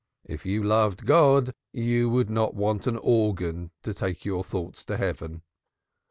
"If you loved God you would not want an organ to take your thoughts to heaven."